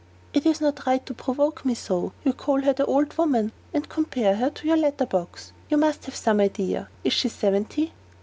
"It is not right to provoke me so. You call her 'the old woman,' and compare her to your letter box. You must have some idea is she seventy?"